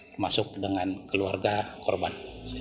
termasuk dengan keluarga korban